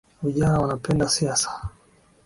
Vijana wanapenda siasa